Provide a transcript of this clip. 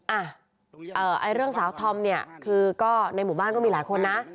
อ่ะเรื่องสาวธรรมในหมู่บ้านก็มีหลายคนนะ